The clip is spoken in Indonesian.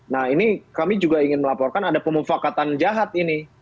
nah ini kami juga ingin melaporkan ada pemufakatan jahat ini